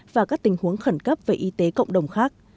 và các tình huống khẩn cấp về y tế cộng đồng khác